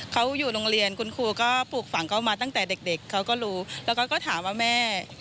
เขาอยู่โรงเรียนคุณครูก็ปลูกฝังเขามาตั้งแต่เด็กเขาก็รู้แล้วก็ถามว่าแม่